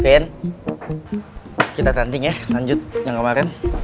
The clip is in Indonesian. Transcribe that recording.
vin kita tanting ya lanjut yang kemarin